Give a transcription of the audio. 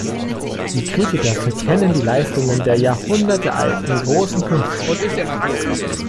Die Kritiker verkennen die Leistungen der jahrhundertealten, großen Künstler.